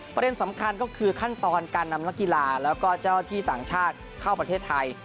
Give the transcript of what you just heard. ประเด็นสำคัญก็คือขั้นตอนการนำนักกีฬาแล้วก็เจ้าที่ต่างชาติเข้าประเทศไทย